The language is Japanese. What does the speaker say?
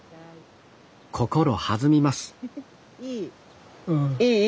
心弾みますいい。